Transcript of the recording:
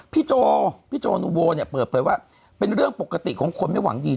โจพี่โจนูโบเนี่ยเปิดเผยว่าเป็นเรื่องปกติของคนไม่หวังดี